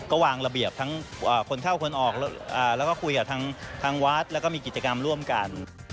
ก็วางระเบียบทั้งคนเข้าคนออกแล้วก็คุยกับทางวัดแล้วก็มีกิจกรรมร่วมกัน